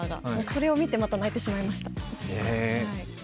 それを見て、また泣いてしまいました。